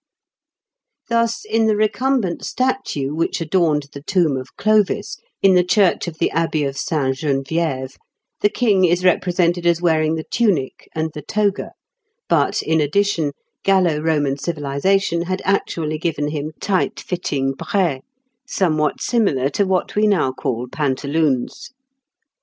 Thus, in the recumbent statue which adorned the tomb of Clovis, in the Church of the Abbey of St. Geneviève, the King is represented as wearing the tunic and the toga, but, in addition, Gallo Roman civilization had actually given him tight fitting braies, somewhat similar to what we now call pantaloons.